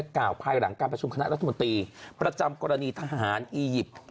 กล่าวภายหลังการประชุมคณะรัฐมนตรีประจำกรณีทหารอียิปต์